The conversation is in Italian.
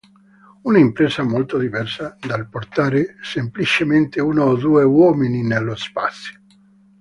Una impresa molto diversa dal portare semplicemente uno o due uomini nello spazio.